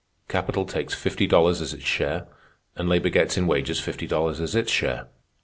Capital takes fifty dollars as its share, and labor gets in wages fifty dollars as its share.